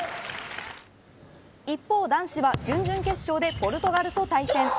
一方男子は準々決勝でポルトガルと対戦。